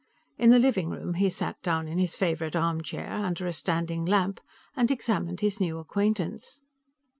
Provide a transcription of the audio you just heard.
In the living room he sat down in his favorite armchair, under a standing lamp, and examined his new acquaintance.